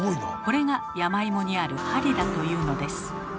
これが山芋にある「針」だというのです。